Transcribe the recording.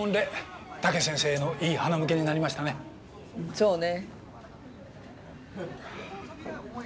そうね。